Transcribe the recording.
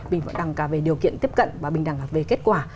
bình đẳng cả về điều kiện tiếp cận và bình đẳng cả về kết quả